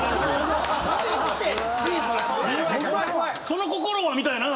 その心は？みたいな。